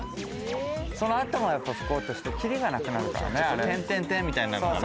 そのあとも拭こうとしてキリがなくなるからね。